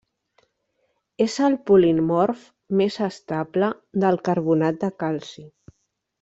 És el polimorf més estable del carbonat de calci.